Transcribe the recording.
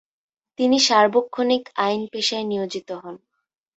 তিনি সার্বক্ষণিক আইন পেশায় নিয়োজিত হন।